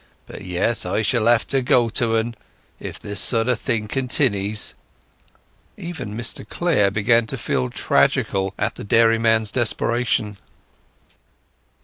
O yes, I shall have to go to 'n, if this sort of thing continnys!" Even Mr Clare began to feel tragical at the dairyman's desperation.